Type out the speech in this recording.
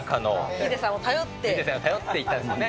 ヒデさんを頼って行ったんですね。